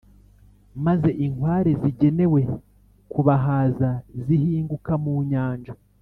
maze inkware zigenewe kubahaza, zihinguka mu nyanja.